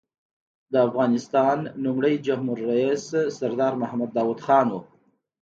د افغانستان لومړی جمهور رییس سردار محمد داود خان و.